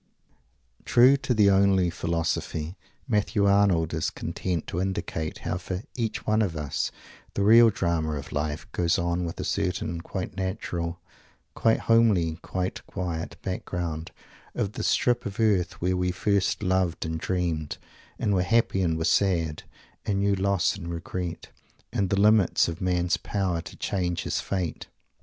True to the "only philosophy," Matthew Arnold is content to indicate how for each one of us the real drama of life goes on with a certain quite natural, quite homely, quite quiet background of the strip of earth where we first loved and dreamed, and were happy, and were sad, and knew loss and regret, and the limits of man's power to change his fate.